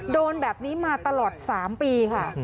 โดนแบบนี้มาตลอด๓ปีค่ะ